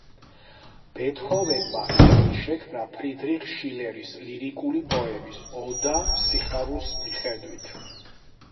ბეთჰოვენმა ჰიმნი შექმნა ფრიდრიხ შილერის ლირიკული პოემის „ოდა სიხარულს“ მიხედვით.